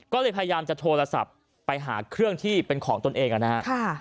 ก็เลยพยายามจะโทรศัพท์ไปหาเครื่องที่เป็นของตนเองนะครับ